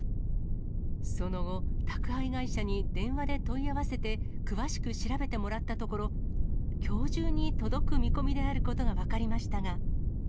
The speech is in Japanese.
その後、宅配会社に電話で問い合わせて、詳しく調べてもらったところ、きょう中に届く見込みであることが分かりましたが。